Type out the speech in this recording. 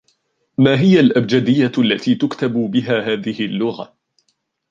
ما هي الأبجديّة التي تُكتب بها هذه اللّغة؟